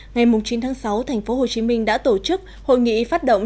ngày chín tháng sáu thành phố hồ chí minh đã tổ chức hội nghị phát động